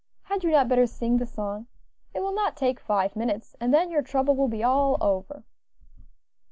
Had you not better sing the song? it will not take five minutes, and then your trouble will be all over."